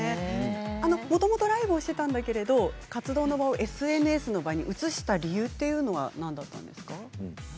もともとライブをしていたんだけれど活動の場をＳＮＳに移した理由は何ですか？